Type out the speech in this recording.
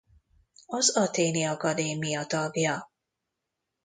Az Athéni Akadémia tagja.